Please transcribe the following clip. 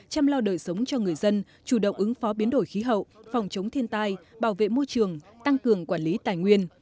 chăm lo đời sống cho người dân chủ động ứng phó biến đổi khí hậu phòng chống thiên tai bảo vệ môi trường tăng cường quản lý tài nguyên